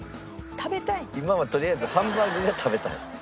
今はとりあえずハンバーグが食べたい。